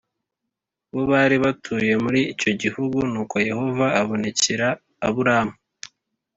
bo bari batuye muri icyo gihugu Nuko Yehova abonekera Aburamu